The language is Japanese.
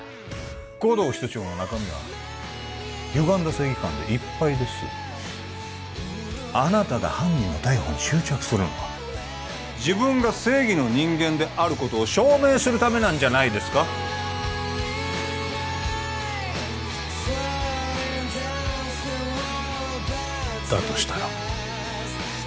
護道室長の中身はゆがんだ正義感でいっぱいですあなたが犯人の逮捕に執着するのは自分が正義の人間であることを証明するためなんじゃないですかだとしたら？